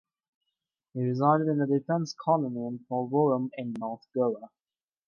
He resided in the Defence Colony in Porvorim in North Goa.